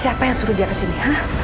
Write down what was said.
siapa yang suruh dia ke sini